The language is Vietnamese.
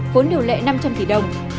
vốn điều lệ năm trăm linh tỷ đồng